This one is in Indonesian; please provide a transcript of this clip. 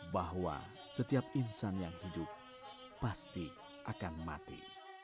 bahwa setiap insan yang hidup pasti akan mati